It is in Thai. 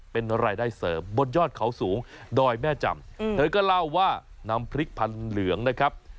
เป็นรายได้เสริมบนยอดเขาสูงดอยแม่จำเธอก็เล่าว่าน้ำพริกพันเหลืองนะครับ